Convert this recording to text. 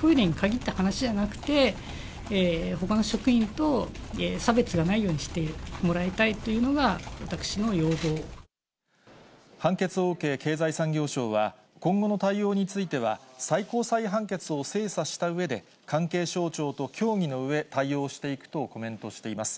トイレにかぎった話じゃなくて、ほかの職員と差別がないようにしてもらいたいというのが、判決を受け、経済産業省は、今後の対応については、最高裁判決を精査したうえで、関係省庁と協議のうえ、対応していくとコメントしています。